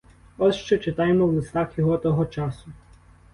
От що читаємо в листах його того часу.